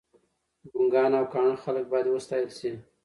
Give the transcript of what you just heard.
ګنګان او کاڼه خلګ باید وستایل شي.